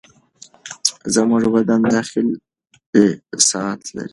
زموږ بدن داخلي ساعت لري.